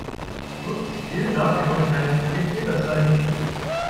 Ups, diese Grafik wollte ich eigentlich erst viel später zeigen.